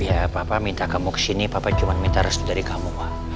ya papa minta kamu kesini papa cuma minta restu dari kamu